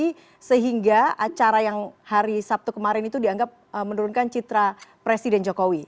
jadi sehingga acara yang hari sabtu kemarin itu dianggap menurunkan citra presiden jokowi